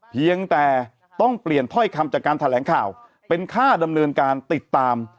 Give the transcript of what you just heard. เพียงแต่ต้องเปลี่ยนถ้อยคำจากการแถลงข่าวเป็นค่าดำเนินการติดตาม